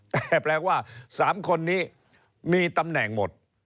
แต่แปลว่า๓คนนี้มีตำแหน่งหมด